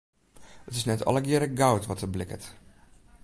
It is net allegearre goud wat der blikkert.